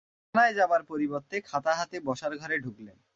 বিছানায় যাবার পরিবর্তে খাতা হাতে বসার ঘরে ঢুকলেন।